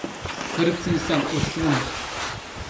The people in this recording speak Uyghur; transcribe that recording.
غېرىبسىنساڭ ئوتسىن.